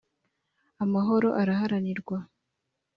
amahoro araharanirwa.